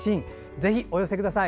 ぜひ、お寄せください。